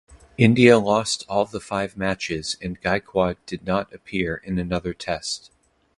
India lost all the five matches and Gaekwad did not appear in another Test.